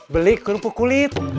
beli kerupuk kulit